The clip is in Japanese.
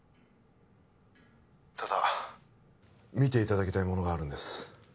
ただ見ていただきたいものがあるんです☎